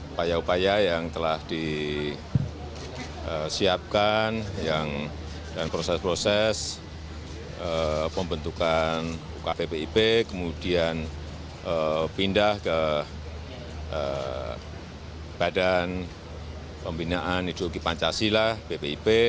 upaya upaya yang telah disiapkan dan proses proses pembentukan ukppip kemudian pindah ke badan pembinaan ideologi pancasila bpip